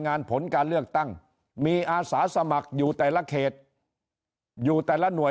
ผลการเลือกตั้งมีอาสาสมัครอยู่แต่ละเขตอยู่แต่ละหน่วย